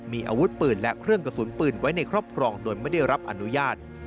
มีอาวุธปืนและเครื่องกระสุนปืนไว้ในครอบครองโดยไม่ได้รับอนุญาต